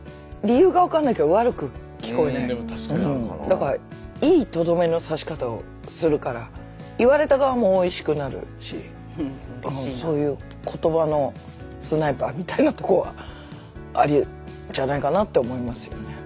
だからいいとどめの刺し方をするから言われた側もおいしくなるしそういう「言葉のスナイパー」みたいなとこはあるんじゃないかなと思いますよね。